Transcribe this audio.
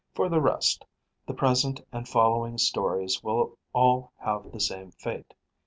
For the rest, the present and the following storeys will all have the same fate.